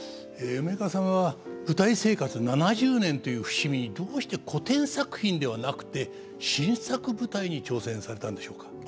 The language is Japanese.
梅若さんは舞台生活７０年という節目にどうして古典作品ではなくて新作舞台に挑戦されたんでしょうか。